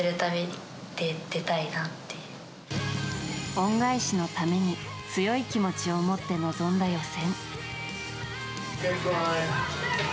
恩返しのために強い気持ちを持って臨んだ予選。